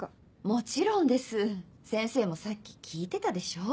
もちろんです先生もさっき聞いてたでしょ。